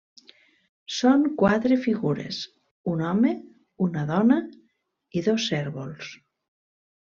Són quatre figures, un home, una dona i dos cérvols.